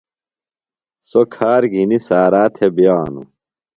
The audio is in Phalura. سوۡ کھار گِھنیۡ سارا تھےۡ بِیانوۡ۔